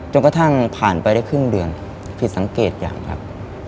กระทั่งผ่านไปได้ครึ่งเดือนผิดสังเกตอย่างครับ